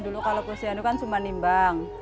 dulu kalau kursi itu kan cuma nimbang